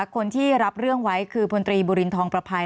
คนที่รับเรื่องไว้คือพลตรีบุรินทองประภัย